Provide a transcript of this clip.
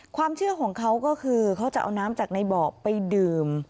ความเชื่อของเขาก็คือเขาจะเอาน้ำจากในเบาะไปดื่ม